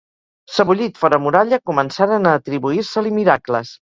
Sebollit fora muralla, començaren a atribuir-se-li miracles.